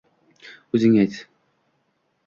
O’zing ayt.